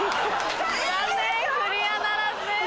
残念クリアならずです。